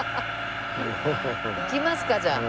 行きますかじゃあ。